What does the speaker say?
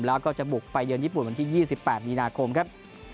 แล้วก็จะบุกไปเยือนญี่ปุ่นวันที่๒๘มีนาคมครับ